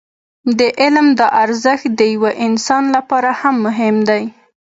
د علم دا ارزښت د يوه انسان لپاره هم مهم دی.